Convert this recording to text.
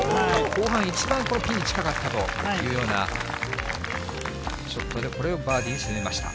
後半一番ピンに近かったというようなショットで、これをバーディーで沈めました。